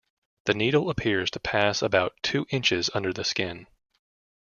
The needle appears to pass about two inches under the skin.